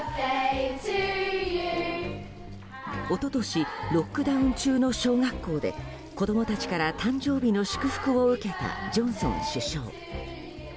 一昨年、ロックダウン中の小学校で子供たちから誕生日の祝福を受けた、ジョンソン首相。